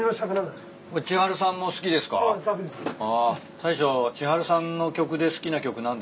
大将千春さんの曲で好きな曲何ですか？